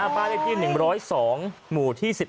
บ้านเลขที่๑๐๒หมู่ที่๑๑